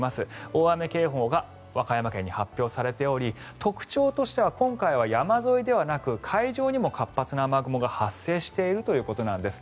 大雨警報が和歌山県に発表されており特徴としては今回は山沿いではなく海上にも活発な雨雲が発生しているということなんです。